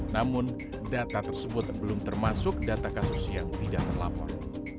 namun data tersebut belum termasuk data kasus yang tidak terlapor